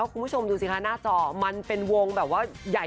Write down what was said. คุณผู้ชมดูสิค่ะหน้าจอมันเป็นวงอย่างมาก